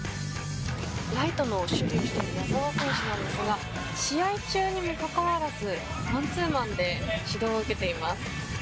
ライトの守備は矢澤選手ですが試合中にもかかわらずマンツーマンで指導を受けています。